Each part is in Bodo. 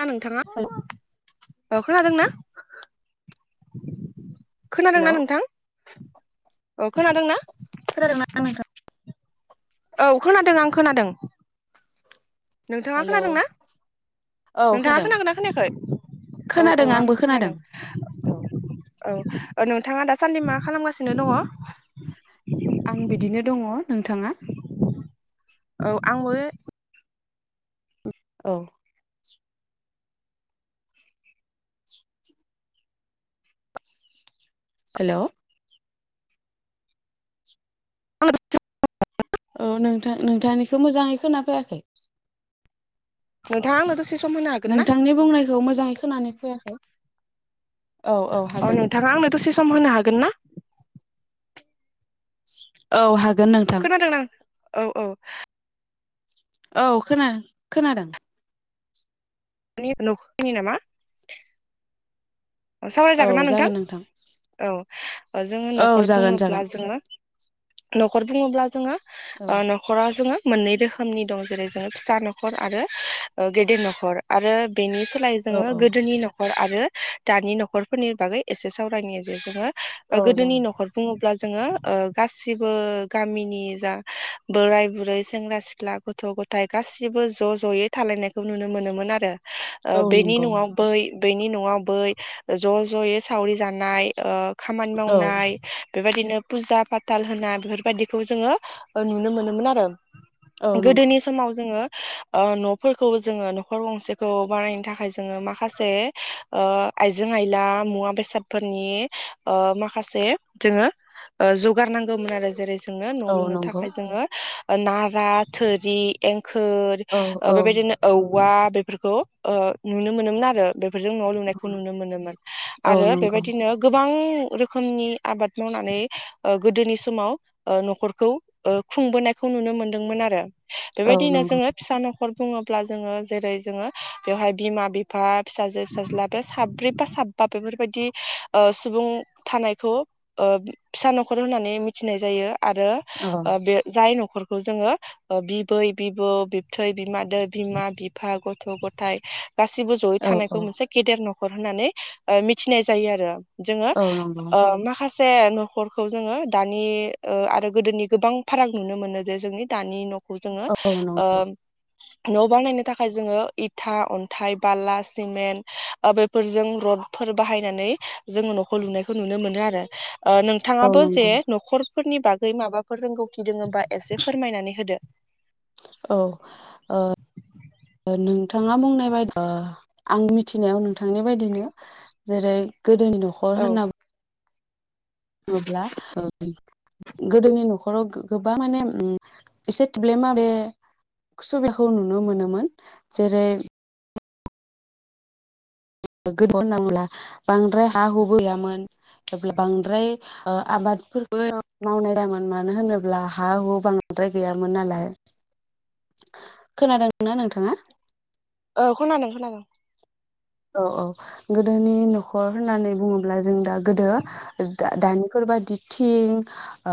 ना नोंथाङा। अ खोनादोंना? खोनादोंना हेलौ नोंथां? औ खोनादोंना? खोनादों ना नोंथां? औ खोनादों आं खोनादों नोंथाङा हेलौ खोनादोंना औ नोंथाङा खोनादों खोनागोना खोनायाखै औ औ आंबो खोनादों औ ओ नोंथाङा दासान्दि मा खालामगासिनो दङ'? आं बिदिनो दङ' नोंथाङा? औ आंबो औ हेल' [inaudible] औ नोंथां-नोंथांनिखौ मोजाङै खोनाफैयाखै नोंथाङा आंनो दसे सम होनो हागोन ना नोंथांनि बुंनायखौ मोजाङै खोनानो फैयाखै औ औ अ हागोन नोंथाङा आंनो द'से सम होनो हागोन ना? औ हा खोनादों नों औ औ औ खोना खोनादों नि नखनि नामा औ सावरायजागोन ना नोंथां जागोन औ जोङो औ न'खर जागोन बुङोब्ला जागोन जोङो न'खर बुङोब्ला जोङो औ ओ न'खरा जोङो मोननै रोखोमनि दं जेरै- जोङो फिसा न'खर आरो गेदेर न'खर आरो बेनि सोलाय औ जोङो औ गोदोनि न' खर आरो दानि न'खरफोरनि बागै एसे सावरायनि जे जोङो औ गोदोनि जागोन न'खर बुङो ब्ला जोङो ओ गासिबो गामिनि जा बोराय बुरै सेंग्रा सिख्ला गथ' गथाय गासिबो ज' ज'यै थालायनायखौ नुनो मोनोमोन आरो ओ औ बेनि नंगौ न'आव बै बेनि न'आव बै ज' ज'यै सावरि जानाय ओ खामानि औ मावनाय बेबायदिनो फुजा फाथाल होना बेफोरबायदिखौ जोङो अ नुनो मोनोमोन आरो। औ नंगौ गोदोनि समाव जोङो अ न'फोरखौबो जोङो न'खर गंसेखौ बानायनो थाखाय जोङो माखासे ओ आइजें आइला मुवा बेसादफोरनि ओ माखासे जोङो ओ जगार नांगौमोन आरो जेरै ज जोंनो औ न' लुनो नंगौ थाखाय जोङो नारा थोरि खोर औ औ बेबायदिनो औवा बेफोरखौ ओ नुनो मोनोमोन आरो बेफोरजों न'आव लु खौ नुनो मोनोमोन औ आरो नंगौ बेबायदिनो गोबां रोखोमनि आबाद मावनानै ओ गोदोनि समाव ओ न'खरखौ ओ खुंबोनायखौ नुनो मोनदोंमोन आरो। औ बेबायदिनो नंगौ जोङो फिसा न'खर र बुङोब्ला जोङो जेरै जोङो बेवहाय बिमा बिफा फिसाजो फिसाज्ला साब्रै बा साबा बेफोरबायाददि ओ सुबुं थानायखौ ओ फिसा न'खर होननानै मिथिनाय जायो। आरो औ बे जाय नख न'खरखौ जोङो बिबै बिबौ बिबथै बिमा बिमा बिफा गथ' गथ गथाय गासिबो जयै औ थानायखौ औ मोनसे न'खर होननानै मिथिनाय जायो आरो। जोङो औ नंगौ ओ माखास से न'खरखौ जोङो दानि ओ आरो गोदोनि गोबां फाराग नुनो मोनो जे जोंनि दानि न जोङो औ ओ नंगौ न' बानायनो थाखाय जोङो इथा अन्थाइ बाला सिमेन्ट ओ बेफोरजों रडफोर बाहायनानै जोङो न'खौ लुनायखौ नुनो मोनो आरो। ओ औ नोंथाङाबो जे नंगौ न'खर फोरनि बागै माबाफोर रोंगौथि दङ होमबा एसे फोरमायनानै होदो। औ ओ नों नोंथाङा बुंनाय बाय ओ आं मिथिनायाव नोंथांनि बायदिनो जेरै गोदोनि न'खर औ होनना बुङोब्ला गोदोनि न'खराव गोबां माने एसे थोब्ले माब्ले सुबिदाखौ नुनो मोनोमोन जेरै गोथौ होनना बुङोब्ला बांद्राय हा हु गैयामोन जेब्ला बांद्राय आबाद फोरबो मावनाय दामोन मानो होनोब्ला हा हु बांद्राय गैयामोन नालाय। खोनादों नोंथाङा? औ खोनादों खोनादों। औ औ गोदोनि न'खर होननानै बुङोब्ला जों दा गोदो दानि बेफोरबायदि थिं ओ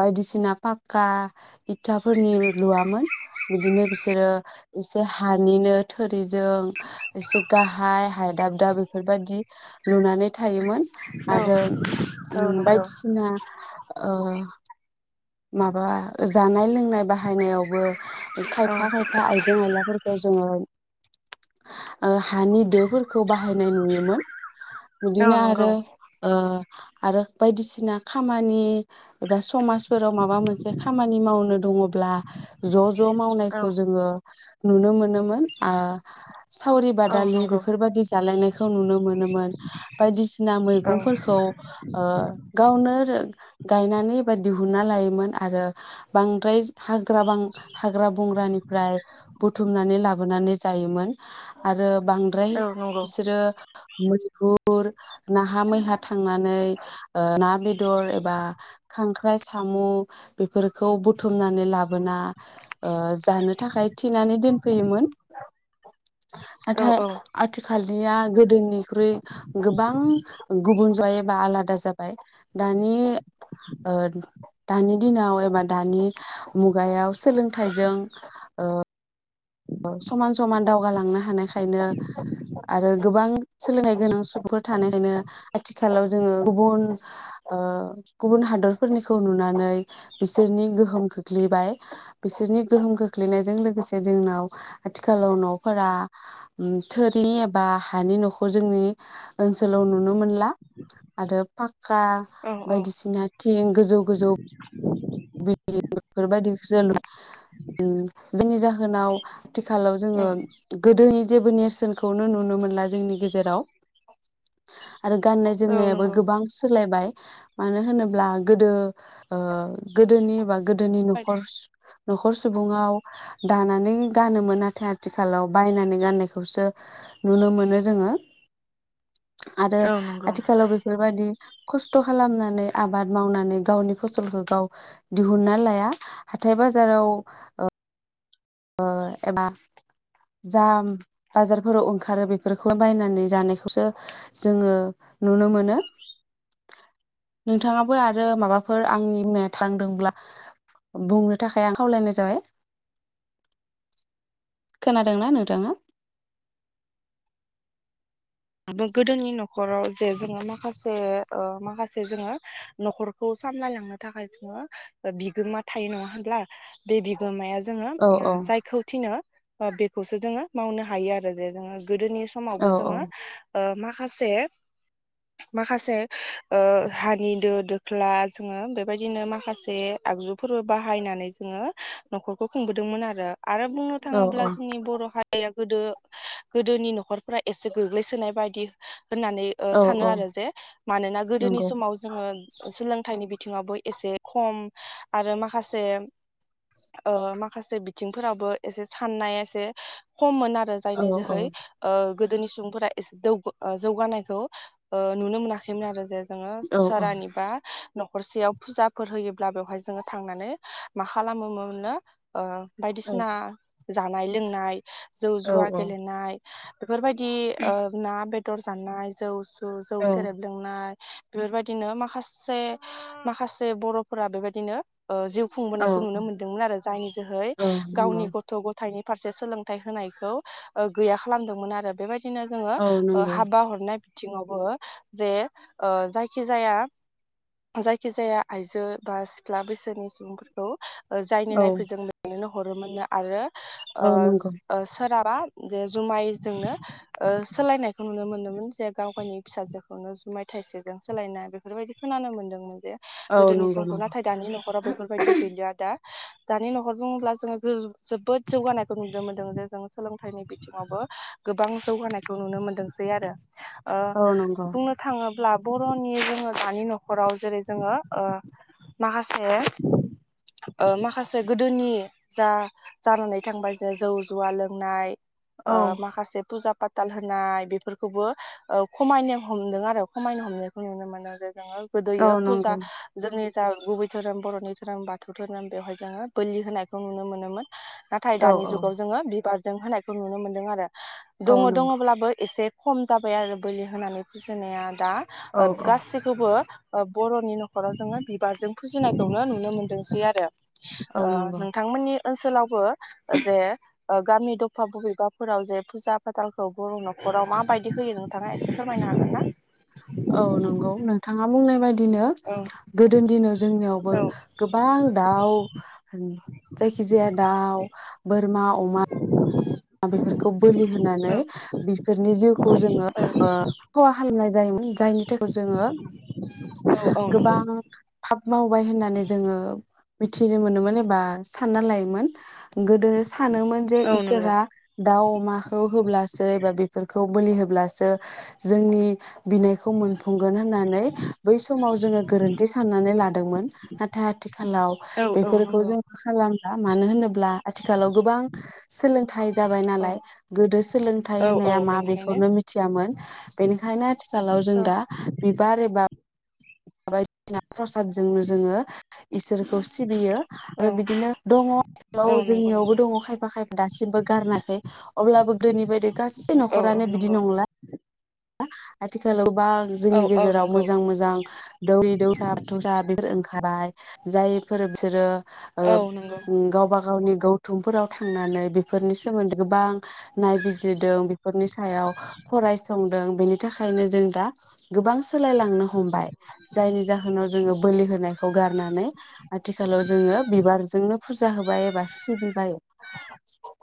बायदिसिना पाक्का इथाफोरनि लुवामोन बिदिनो बिसोरो एसे हानिनो थोरिजों एसे गाहा य हाय दाब दाब बेफोरबायादि लुनानै थायोमोन औ आरो औ नंगौ बायदिसिना ओ माबा जानाय लों नाय बाहायनायावबो औ खायफा खायफा आइजें आयलाफोरखौ जोङो [inaudible] ओ हानि दोफोरखौ बाहायनाय नुयोमोन औ बिदिनो नंगौ आरो ओ आरो बायदिसिना खामानि एबा समफोराव माबा मोनसे खामानि मावनो दङब्ला ज' ज' औ मावनायखौ जोङो नुनो मोनोमोन आ सावरि औ बादालि नंगौ बेफोरबायदि जालायनायखौ नुनो मोनोमोन बायदिसिना औ मैगंफोरखौ गावनो ओ गायनानै एबा दिहुन ना लायोमोन आरो बांद्राय हाग्रा बां हाग्रा बंग्रानिफ्राय बुथुमनानै लाबोनानै जायोमोन आरो बांद्राय औ नंगौ बिसोरो मैहुर नाहा मैहा थांनानै ओ ना बेदर एबा खांख्राइ सामु बेफोर बेफोरखौ बुथुमनानै लाबोना जानो थाखाय थिनानै दोनफैयोमोन औ नाथाय औ आथिखाल निया गोदोनि ख्रुइ गोबां गुबुन जायो बा आलादा जाबाय दानि ओ दानि दिनाव एबा दानि मुगायाव सोलोंथाइजों ओ ओ समान समान दावगालांनो हानाय खायनो आरो गोबां सोलोंथाइ गोनां सुबुंफोर थानाय खायनो आथिखालाव जोङो गुबुन ओ गुबुन हादरफोरनिखौ नुनानै बिसोरनि गोहोम खोख्लैबाय बिसोरनि गोहोम खोख्लैनायजों लोगोसे जोंनाव आथिखालाव न'फोरा ओम थोरिनि एबा हानि न'खौ जोंनि ओनसोलाव नुनो मोनला आरो पा क्का औ औ बायदिसिना थिं गोजौ गोजौ बेफोरबायदिखौसो [unintelligible] जायनि जाहोनाव आथिखालाव जोङो गोदोनि जेबो नेरसोनखौनो नुनो मोनला जोंनि गेजेराव। आरो गाननाय औ औ जोमनायाबो नंगौ गोबां सोलायबाय। मानो होनोब्ला गोदो गोदोनि बाग गोदोनि न'खर न'खर सुबुंआव दानानै गानोमोन नाथाय आथिखालाव बायनानै गाननायखौसो नुनो मोनो जोङो। आरो औ नंगौ। आथिखालाव बेफोर बायदि। खस्थ' खालामनानै आबाद मावनानै गावनि फसलखौ गाव दिहुनना लाया हाथाय बाजाराव ओ ओ एबा जा बाजारफोराव ओंखारो बेफोरखौ बायनानै जानायखौसो जोङो नुनो मोनो नोंथाङाबो आरो माबाफोर आंनि बुंनाया थांदोंब्ला बुंनो थाखाय आं खावलायनाय जाबाय। खोनादोंना नोंथाङा? गोदोनि न'खराव जे जोङो माखासे ओ माखासे जोङो न'खरखौ सामलायलांनो थाखाय जोङो ओ बिगोमा थायो नङा होनब्ला बे बिगोमाया जोङो औ औ जायखौ थिनो बेखौसो जोङो मावनो हायो आरो जे जोङो गोदोनि औ समावबो जोङो। ओ माखासे-माखासे ओ हानि दो दोख्ला जोङो बेबायदिनो माखासे आगजुफोरबो बाहायनानै जोङो न'खरखौ खुंबोदोंमोन आरो। आरो बुंनो औ थाङोब्ला जोंनि बर' हारि [unintelligible] गोदो-गोदोनि न'खरफोरा एसे गोग्लैय सोनाय बायदि। होननानै ओ औ सानो औ आरो जे मानोना गोदोनि नंगौ समाव जोङो सोलोंथाइनि बि बिथिंआवबो एसे खम आरो माखासे ओ माखासे बिथिंफोराबो एसे साननाया एसे खममोन आरो औ जायनि औ जोहै ओ गोदोनि सुबुंफोरा जौगानायखौ नुनो मोनाखैमोन आरो जे जोङो औ औ सारानिबा। हरसेयाव फुजाफोर होयोब्ला बेवहाय जोङो थांनानै मा खालामो मोननो। ओ बायदिसिना। जानाय लोंनाय। जौ औ जुवा गेलेनाय बेफोर बायदि। ना बेदर जानाय जौ। जौ सेरेब औ लोंनाय। बेफोर बायदिनो माखासे-माखासे बर'फोरा बेबायदिनो। ओ जिउ खुंबोनायखौ औ नुनो मोनदोंमोन आरो जायनि जोहै औ नंगौ गावनि गथ' गथायाइनि फारसे सोलोंथाइ होनायखौ गैया खालामदोंमोन आरो बेबाय दिनो जोङो औ ओ नंगौ हाबा हरनाय बिथिङावबो जे ओ जायखि जाया जायखि जाया आइजो बा सिख्ला बैसोनि सुबुंफोरखौ जायनि औ नायफैजेनो बिनोनो हरोमोनो आरो ओ औ नंगौ ओ सोराब बा जे जुमायजोंनो ओ सोलायनायखौ नुनो मोनदोंमोन जे गाव गावनि फिसाजोखौनो जुमाय थाइसेजों सोलायनाय बेफोरबायदि खोनानो मोन्दोंमोन जे औ गोदोनि नंगौ समखौ नंगौ नाथाय दानि न'खराव बेफोरबायदि गैलिया दा दानि न'खर बुङोब्ला जोङो जोबोद जौगानायखौ नुनो मोनदों जे जों सोलोंथाइनि बिथिङावबो गोबां जौगानायखौ नुनो मोनदोंसै आरो ओ औ नंगौ बुंनो थाङोब्ला बर'नि जोङो दानि न'खराव जेरै जोङो ओ माखासे ओ माखासे गोदोनि जा जानानै थांबाय जे जौ जुवा लोंनाय ओ औ माखासे फुजा पाताल होनाय बेफोरखौबो खमायनो हमदों आरो खमायनो हमनायखौ नुनो मोनो। जोङो गोदोयो औ फुजा नंगौ जोंनि जा गुबै धोरोम बर'नि धोरोम बाथौ धोरोम बेवहाय जोङो बोलि होनायखौ नुनो मोनोमोन नाथाय औ दानि औ जुगाव जोङो बिबार जों होनायखौ नुनो मोनदों आरो। औ दङ नंगौ दङब्लाबो एसे खम जाबाय आरो बोलि होनानै फुजिनाया दा औ औ गासिखौबो ओ बर'नि न'खराव जोङो बिबारजों फुजिनायखौनो नुनो मोनदोंसै आरो। औ ओ नंगौ नोंथांमोननि ओनसोलावबो जे गामि दफा बबेबाफोराव जे फुजा फाथालखौ बर' न'खराव माबायदि होयो नोंथाङा एसे फोरमायनो हागोनना? बिदिनो औ गोदोनि दिनाव जोंनियावबो औ गोबां दाउ जायखि जाया दाउ बोरमा अमा बेफोरखौ बोलि होनानै बेफोरनि जिउखौ जोङो ओ खहा खालामनाय जायोमोन जायनि थाखाय जोङो औ औ गोबां था मावबाय होननानै जोङो मिथिनो मोनोमोन एबा सानना लायोमोन। गोदोनो सानोमोन जे नंगौ औ नंगौ इसोरा दाउ अमाखौ होब्लासो एबा बेफोरखौ बोलि होब्लासो जोंनि बिनायखौ मोनफुंगोन होननानै बै समाव जोङो गोरोन्थि साननानै लादोंमोन नाथाय आथिखालाव औ औ बेफोरखौ नंगौ जोङो खालाम मानो होनोब्ला आथिखालाव गोबां सोलोंथाइ जाबाय औ नालाय गोदो सोलोंथाइ औ औ होननाया मा बेनिखायनो बेखौनो मिथियामोन बेनिखायनो आथिखालाव जों औ दा बिबार एबा [unintelligible] प्रसादजोंनो जोङो इसोरखौ सिबियो औ आरो बिदिनो दङ आथिखालाव औ नंगौ जोंनियावबो नंगौ दङ खायफा खायफा दासिमबो गारनाखै अब्लाबो गोदोनि बायदि गासै औ औ न'खरानो बिदि नंगौ नंला आथिखाल सोरलबा औ जोंनि औ गेजेराव नंगौ मोजां मोजां दौरि दौसा थौसा बेफोर ओंखारबाय जायफोर बिसोरो औ गावबा गावनि गौथुमफोराव थांनानै बेफोरनि सोमोन्दै गोबां नायबिजिरदों बेफोरनि सायाव फरायसा संदों बेनि थाखायनो जों दा गोबां सोलायलांनो हमबाय जायनि जाहोनाव जोङो बोलि होनायखौ गारनानै आथिखालाव जोङो बिबारजोंनो फुजा होबाय एबा सिबिबाय [inaudible]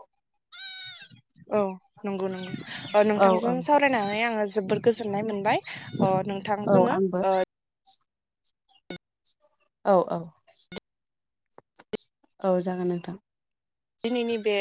औ नंगौ नंगौ औ नोंथांजों औ सावरायनानै आङो जोबोर गोजोननाय मोनबाय आं नोंथां औ जोङो आंबो ओ औ औ औ जागोन नोंथां दिनैनि बे